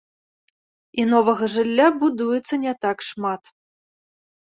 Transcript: І новага жылля будуецца не так шмат.